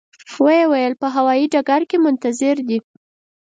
و یې ویل په هوایي ډګر کې منتظر دي.